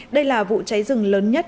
đây là vụ cháy rừng lớn nhất